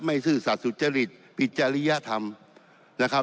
ซื่อสัตว์สุจริตผิดจริยธรรมนะครับ